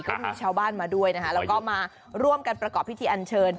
ก็มีชาวบ้านมาด้วยนะคะแล้วก็มาร่วมกันประกอบพิธีอันเชิญ